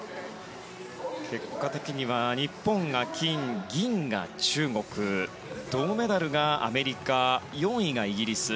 結果的には日本が金銀が中国銅メダルがアメリカ４位がイギリス。